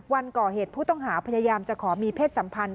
วันก่อเหตุผู้ต้องหาพยายามจะขอมีเพศสัมพันธ์